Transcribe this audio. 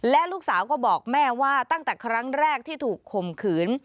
และลูกสาวก็บอกแม่ว่าตั้งแต่ครั้งแรกที่ถูกข่มขืน